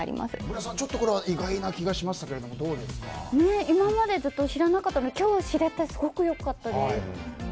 小倉さん、これは意外な気がしましたが今までずっと知らなかったので今日知れてすごく良かったです。